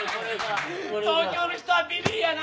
東京の人はビビりやな！